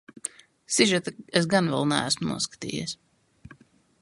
Sižetu es gan vēl neesmu noskatījies.